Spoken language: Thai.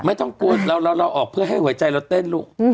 ไม่ต้องกลัวเราออกเพื่อให้หัวใจเราเต้นลูก